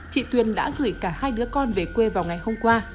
chị tuyền đã gửi cả hai đứa con về quê vào ngày hôm qua